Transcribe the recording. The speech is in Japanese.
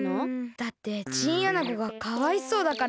だってチンアナゴがかわいそうだから。